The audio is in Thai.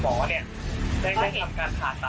ผมไม่คิดอะไรแล้วตอนนั้นผมอยากจะบอกว่า